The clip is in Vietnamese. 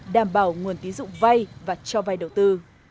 đảm bảo nguồn tín dụng vay và cho vay đầu tư